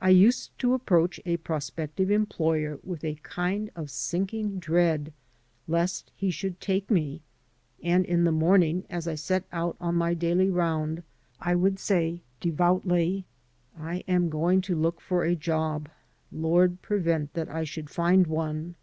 I used to approach a prospective employer with a kind of sinking dread lest he should take me; and in the morning as I set out on my daily round I would say, devoutly, "I am going to look for a job; Lord prevent that I should find one."